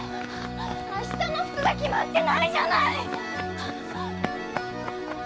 あしたの服が決まってないじゃない！